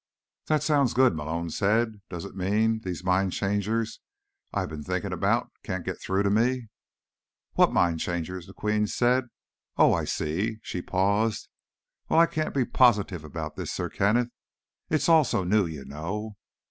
"That sounds good," Malone said. "Does it mean these mind changers I've been thinking about can't get through to me?" "What mind changers?" the Queen said. "Oh. I see." She paused. "Well, I can't be positive about this, Sir Kenneth; it's all so new, you know.